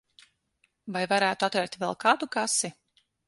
Vai varētu atvērt vēl kādu kasi?